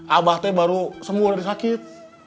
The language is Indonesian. abah teh baru semua dari sakit